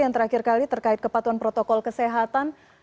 yang terakhir kali terkait kepatuan protokol kesehatan